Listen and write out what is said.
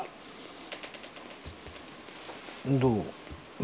どう？